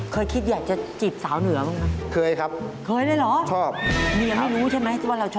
เคยคิดอยากจะจีบสาวเหนือบ้างไหม